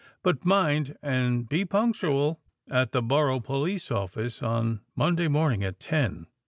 But mind and be punctual at the Borough police office on Monday morning at ten."